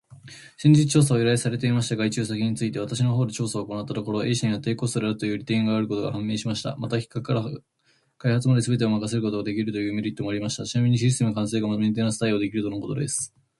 先日調査を依頼されていました外注先について、私の方で調査を行ったところ、A 社には低コストであるという利点があることが判明しました。また、企画から開発まですべてを任せることができるというメリットもありました。ちなみにシステム完成後もメンテナンス対応できるとのことです。